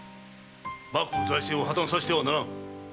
幕府財政を破綻させてはならん！